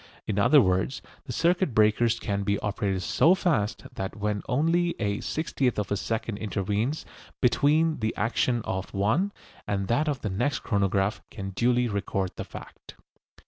In other words, the circuit breakers can be operated so fast that when only a sixtieth of a second intervenes between the action of one and that of the next the chronograph can duly record the fact.